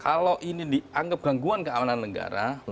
kalau ini dianggap gangguan keamanan negara